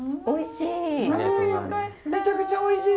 おいしい。